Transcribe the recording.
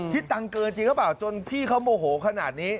คิดตังค์เกินจริงหรือเปล่าจนพี่เขาโมโหขนาดนี้